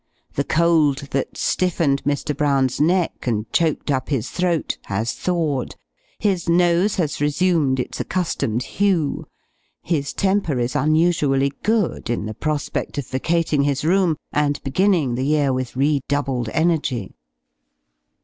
The cold that stiffened Mr. Brown's neck, and choked up his throat has thawed; his nose has resumed its accustomed hue; his temper is unusually good in the prospect of vacating his room, and beginning the year with redoubled energy.